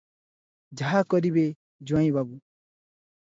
ଯାହା କରିବେ ଜୁଆଇଁ ବାବୁ ।